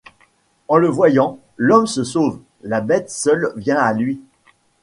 En le voyant, l’homme se sauve ; La bête seule vient à lui.